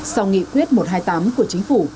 sau nghị quyết một trăm hai mươi tám của chính phủ